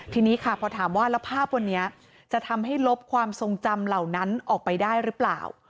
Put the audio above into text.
ทีนี้ค่ะพอถามว่าแล้วภาพวันนี้จะทำให้ลบความทรงจำเหล่านั้นออกไปได้หรือเปล่า